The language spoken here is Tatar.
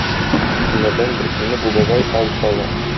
Көннәрдән бер көнне бу бабай ау сала.